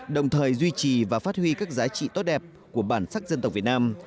đồng thời duy trì và phát huy các giá trị tốt đẹp của bản sắc dân tộc việt nam